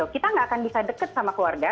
kita nggak akan bisa deket sama keluarga